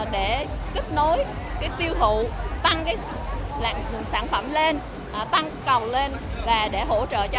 để kết nối tiêu thụ tăng sản phẩm lên tăng cầu lên và để hỗ trợ cho họ